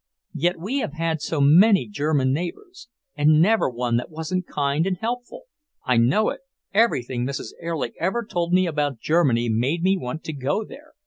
"Yet we have had so many German neighbours, and never one that wasn't kind and helpful." "I know it. Everything Mrs. Erlich ever told me about Germany made me want to go there.